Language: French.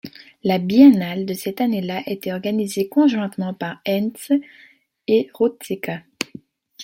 La biennale de cette année-là était organisée conjointement par Henze et Ruzicka.